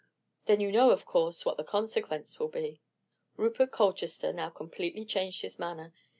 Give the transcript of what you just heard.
"Then you know, of course, what the consequence will be." Rupert Colchester now completely changed his manner.